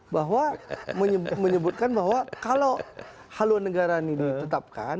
bahwa menyebutkan bahwa kalau haluan negara ini ditetapkan